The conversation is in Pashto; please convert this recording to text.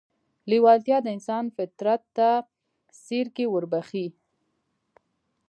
لېوالتیا د انسان فطرت ته ځيرکي وربښي.